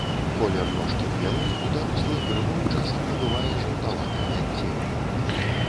Колер ножкі белы, у дарослых грыбоў часам набывае жаўтаватае адценне.